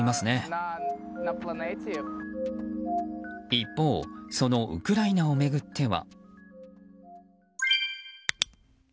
一方、そのウクライナを巡っては。